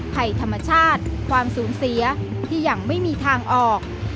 ภัยธรรมชาติความสูญเสียที่ยังไม่มีทางออก